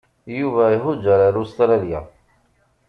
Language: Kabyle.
Yuba ihujeṛ ar Ustṛalya.